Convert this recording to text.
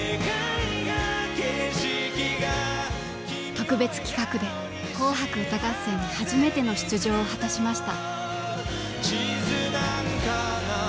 特別企画で「紅白歌合戦」に初めての出場を果たしました。